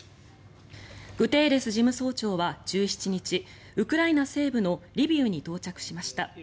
グテーレス事務総長は１７日ウクライナ西部のリビウに到着しました。